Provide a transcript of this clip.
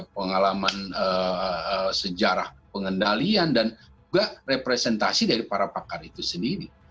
pengalaman sejarah pengendalian dan juga representasi dari para pakar itu sendiri